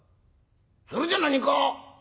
それじゃ何か？